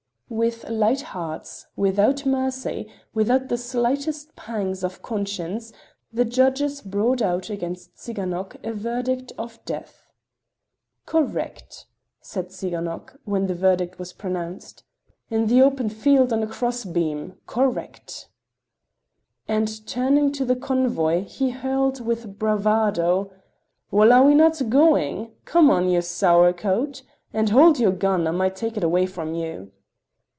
With light hearts, without mercy, without the slightest pangs of conscience, the judges brought out against Tsiganok a verdict of death. "Correct!" said Tsiganok, when the verdict was pronounced. "In the open field and on a cross beam! Correct!" And turning to the convoy, he hurled with bravado: "Well, are we not going? Come on, you sour coat. And hold your gun—I might take it away from you!"